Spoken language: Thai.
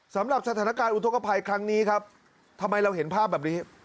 สำหรับสถานการณ์อุทธกภัยครั้งนี้ครับทำไมเราเห็นภาพแบบนี้